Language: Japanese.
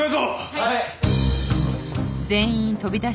はい。